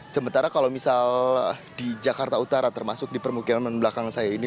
sementara kalau misal di jakarta utara termasuk di permukiman belakang saya ini